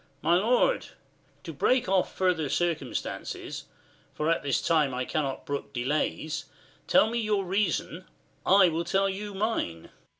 Cam. My lord, to break off further circumstances, For at this time I cannot brook delays : 30 Tell you your reason, I will tell you mine.